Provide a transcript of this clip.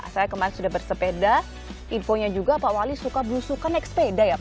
saya kemarin sudah bersepeda infonya juga pak wali suka berusukan naik sepeda ya pak